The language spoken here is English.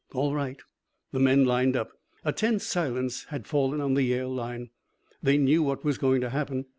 "All right." The men lined up. A tense silence had fallen on the Yale line. They knew what was going to happen.